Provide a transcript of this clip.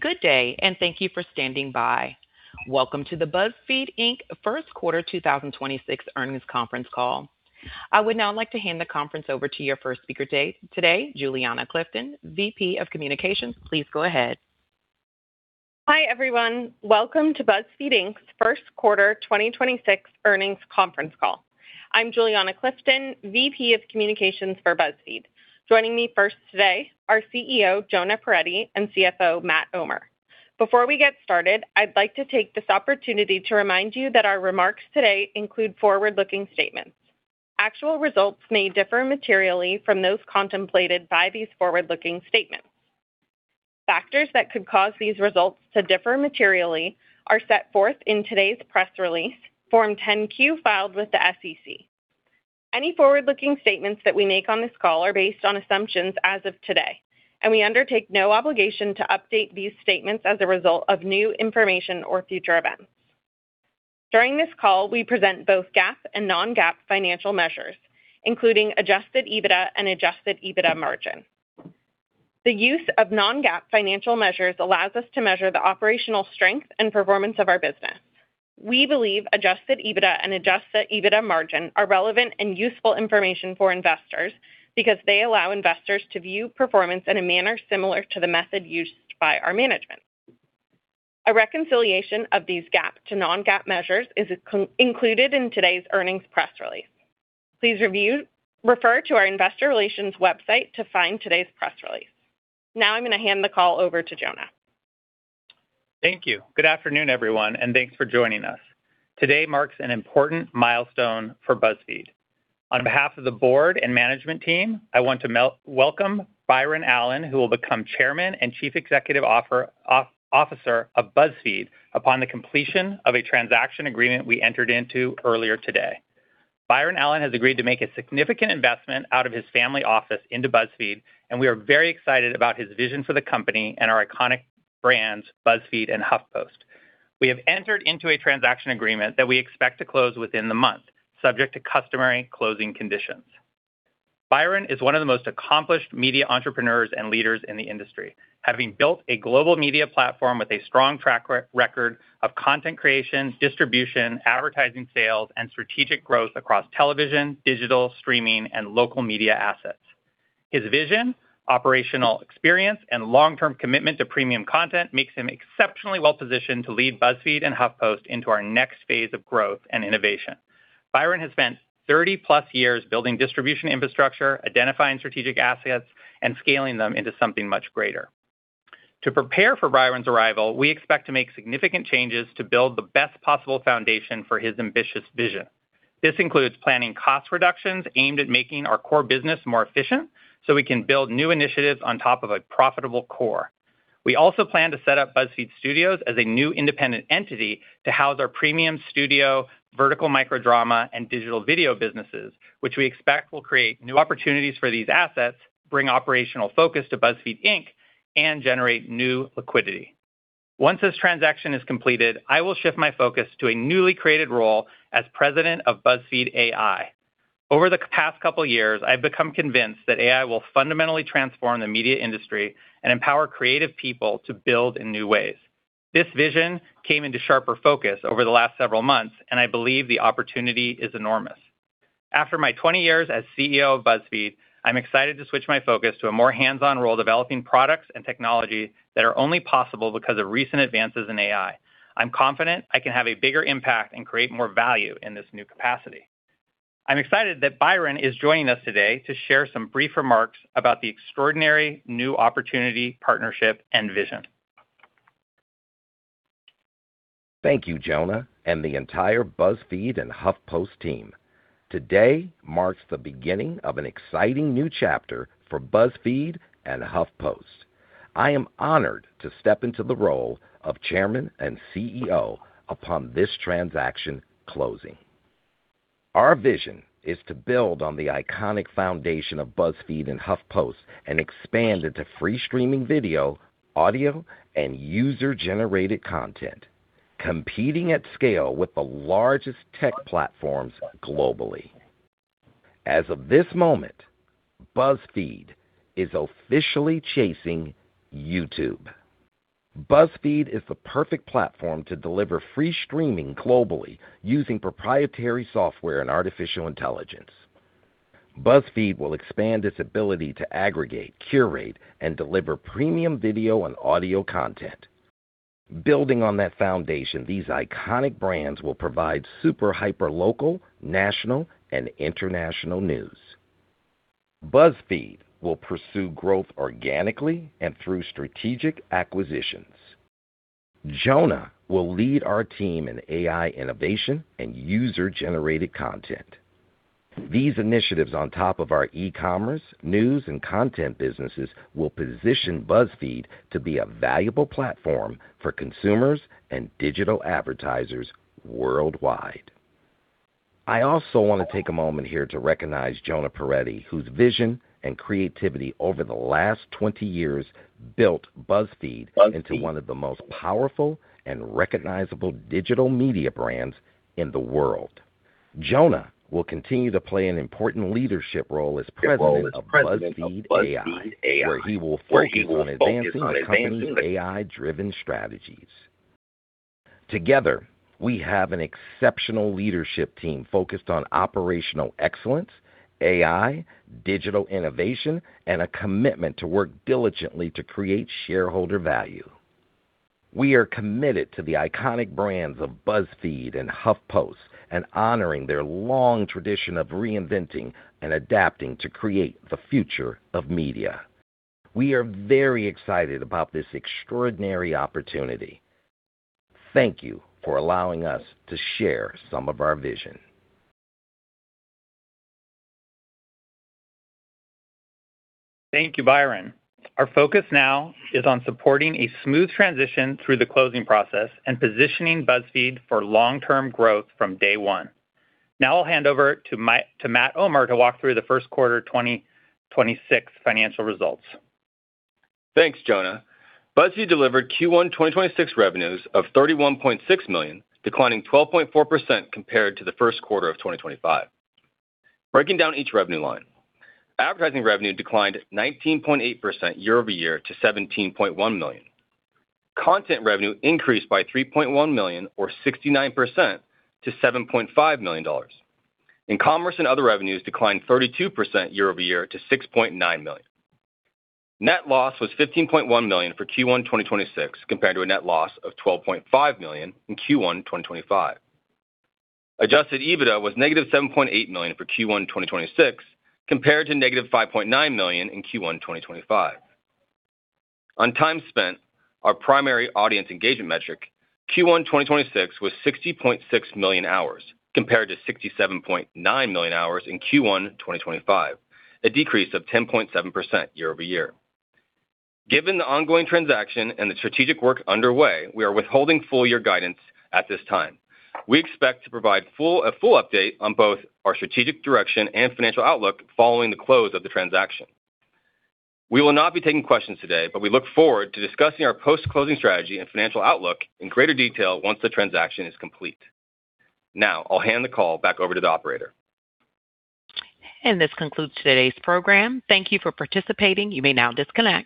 Good day, and thank you for standing by. Welcome to the BuzzFeed Inc. first quarter 2026 earnings conference call. I would now like to hand the conference over to your first speaker today, Juliana Clifton, VP of Communications. Please go ahead. Hi, everyone. Welcome to BuzzFeed Inc.'s first quarter 2026 earnings conference call. I'm Juliana Clifton, VP of Communications for BuzzFeed. Joining me first today are CEO, Jonah Peretti, and CFO, Matt Omer. Before we get started, I'd like to take this opportunity to remind you that our remarks today include forward-looking statements. Actual results may differ materially from those contemplated by these forward-looking statements. Factors that could cause these results to differ materially are set forth in today's press release, Form 10-Q filed with the SEC. Any forward-looking statements that we make on this call are based on assumptions as of today. We undertake no obligation to update these statements as a result of new information or future events. During this call, we present both GAAP and non-GAAP financial measures, including adjusted EBITDA and adjusted EBITDA margin. The use of non-GAAP financial measures allows us to measure the operational strength and performance of our business. We believe adjusted EBITDA and adjusted EBITDA margin are relevant and useful information for investors because they allow investors to view performance in a manner similar to the method used by our management. A reconciliation of these GAAP to non-GAAP measures is included in today's earnings press release. Please refer to our investor relations website to find today's press release. Now I'm gonna hand the call over to Jonah. Thank you. Good afternoon, everyone, and thanks for joining us. Today marks an important milestone for BuzzFeed. On behalf of the board and management team, I want to welcome Byron Allen, who will become Chairman and Chief Executive Officer of BuzzFeed upon the completion of a transaction agreement we entered into earlier today. Byron Allen has agreed to make a significant investment out of his family office into BuzzFeed, and we are very excited about his vision for the company and our iconic brands, BuzzFeed and HuffPost. We have entered into a transaction agreement that we expect to close within the month, subject to customary closing conditions. Byron is one of the most accomplished media entrepreneurs and leaders in the industry, having built a global media platform with a strong track record of content creation, distribution, advertising sales, and strategic growth across television, digital, streaming, and local media assets. His vision, operational experience, and long-term commitment to premium content makes him exceptionally well-positioned to lead BuzzFeed and HuffPost into our next phase of growth and innovation. Byron has spent 30+ years building distribution infrastructure, identifying strategic assets, and scaling them into something much greater. To prepare for Byron's arrival, we expect to make significant changes to build the best possible foundation for his ambitious vision. This includes planning cost reductions aimed at making our core business more efficient, so we can build new initiatives on top of a profitable core. We also plan to set up BuzzFeed Studios as a new independent entity to house our premium studio, vertical micro drama, and digital video businesses, which we expect will create new opportunities for these assets, bring operational focus to BuzzFeed Inc., and generate new liquidity. Once this transaction is completed, I will shift my focus to a newly created role as President of BuzzFeed AI. Over the past couple years, I've become convinced that AI will fundamentally transform the media industry and empower creative people to build in new ways. This vision came into sharper focus over the last several months, and I believe the opportunity is enormous. After my 20 years as CEO of BuzzFeed, I'm excited to switch my focus to a more hands-on role developing products and technology that are only possible because of recent advances in AI. I'm confident I can have a bigger impact and create more value in this new capacity. I'm excited that Byron is joining us today to share some brief remarks about the extraordinary new opportunity, partnership, and vision. Thank you, Jonah, and the entire BuzzFeed and HuffPost team. Today marks the beginning of an exciting new chapter for BuzzFeed and HuffPost. I am honored to step into the role of Chairman and CEO upon this transaction closing. Our vision is to build on the iconic foundation of BuzzFeed and HuffPost and expand into free streaming video, audio, and user-generated content, competing at scale with the largest tech platforms globally. As of this moment, BuzzFeed is officially chasing YouTube. BuzzFeed is the perfect platform to deliver free streaming globally using proprietary software and artificial intelligence. BuzzFeed will expand its ability to aggregate, curate, and deliver premium video and audio content. Building on that foundation, these iconic brands will provide super hyperlocal, national, and international news. BuzzFeed will pursue growth organically and through strategic acquisitions. Jonah will lead our team in AI innovation and user-generated content. These initiatives on top of our e-commerce, news, and content businesses will position BuzzFeed to be a valuable platform for consumers and digital advertisers worldwide. I also wanna take a moment here to recognize Jonah Peretti, whose vision and creativity over the last 20 years built BuzzFeed. BuzzFeed Jonah will continue to play an important leadership role as president of BuzzFeed AI, where he will focus on advancing the company's AI-driven strategies. Together, we have an exceptional leadership team focused on operational excellence, AI, digital innovation, and a commitment to work diligently to create shareholder value. We are committed to the iconic brands of BuzzFeed and HuffPost and honoring their long tradition of reinventing and adapting to create the future of media. We are very excited about this extraordinary opportunity. Thank you for allowing us to share some of our vision. Thank you, Byron. Our focus now is on supporting a smooth transition through the closing process and positioning BuzzFeed for long-term growth from day one. Now I'll hand over to Matt Omer to walk through the first quarter 2026 financial results. Thanks, Jonah. BuzzFeed delivered Q1 2026 revenues of $31.6 million, declining 12.4% compared to the first quarter of 2025. Breaking down each revenue line, advertising revenue declined 19.8% year-over-year to $17.1 million. Content revenue increased by $3.1 million or 69% to $7.5 million. Commerce and other revenues declined 32% year-over-year to $6.9 million. Net loss was $15.1 million for Q1 2026 compared to a net loss of $12.5 million in Q1 2025. Adjusted EBITDA was - $7.8 million for Q1 2026 compared to- $5.9 million in Q1 2025. On time spent, our primary audience engagement metric, Q1 2026 was 60.6 million hours compared to 67.9 million hours in Q1 2025, a decrease of 10.7% year-over-year. Given the ongoing transaction and the strategic work underway, we are withholding full-year guidance at this time. We expect to provide a full update on both our strategic direction and financial outlook following the close of the transaction. We will not be taking questions today, but we look forward to discussing our post-closing strategy and financial outlook in greater detail once the transaction is complete. I'll hand the call back over to the operator. This concludes today's program. Thank you for participating. You may now disconnect.